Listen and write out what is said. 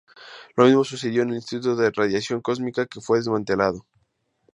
Lo mismo sucedió con el Instituto de Radiación Cósmica, que fue desmantelado.